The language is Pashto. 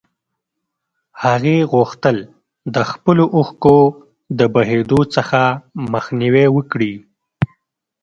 هغې غوښتل د خپلو اوښکو د بهېدو څخه مخنيوی وکړي.